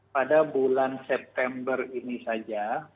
pada bulan september ini saja